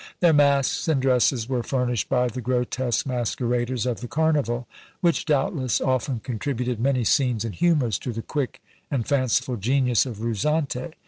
Their masks and dresses were furnished by the grotesque masqueraders of the carnival, which, doubtless, often contributed many scenes and humours to the quick and fanciful genius of Ruzzante.